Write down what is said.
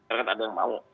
rakyat ada yang mau